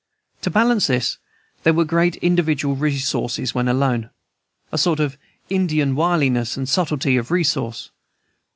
To balance this there were great individual resources when alone, a sort of Indian wiliness and subtlety of resource.